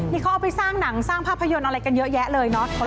นี่เขาเอาไปสร้างหนังสร้างภาพยนตร์อะไรกันเยอะแยะเลยเนาะ